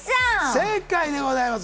正解でございます。